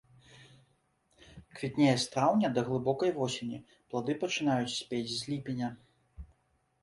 Квітнее з траўня да глыбокай восені, плады пачынаюць спець з ліпеня.